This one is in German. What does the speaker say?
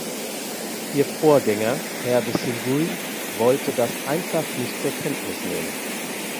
Ihr Vorgänger, Herr de Silguy, wollte das ganz einfach nicht zur Kenntnis nehmen.